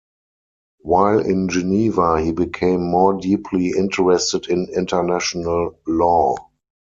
While in Geneva he became more deeply interested in international law.